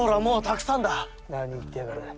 もうたくさんだ。